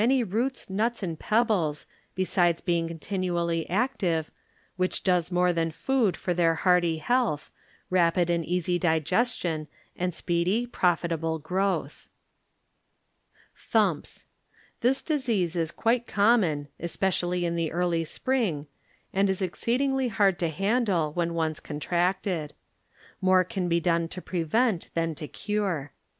When at pasture they find many roots, nuts and pebbles, besides being continu ally active, which does more than food b, Google HILLSDAI^R COUNTY for their hearty health, rapid and easy digestion and speedy, proiitable growth. Thumps.ŌĆö This disease is quite com mon (especially in the early sprtng) anil is exceedii^ly hard to handle when once contracted. More can be done to prevent than to cure.